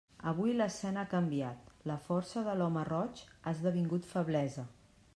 Avui, l'escena ha canviat: la força de l'home roig ha esdevingut feblesa.